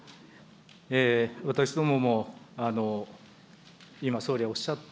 私どもも今、総理がおっしゃった、